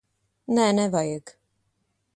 Nē, nevajag.